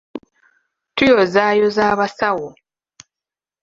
Tuyozaayoza abasawo